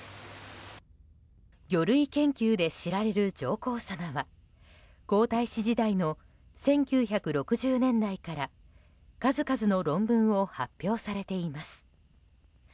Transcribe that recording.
魚類研究で知られる上皇さまは皇太子時代の１９６０年代から数々の論文を発表されています。